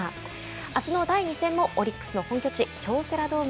あすの第２戦もオリックスの本拠地京セラドーム